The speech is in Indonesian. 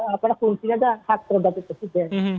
apakah kuncinya adalah hak prerogatif presiden